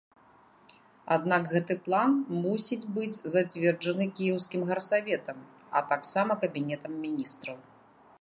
Аднак гэты план мусіць быць зацверджаны кіеўскім гарсаветам, а таксама кабінетам міністраў.